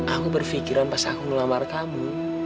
aku berpikiran pas aku melamar kamu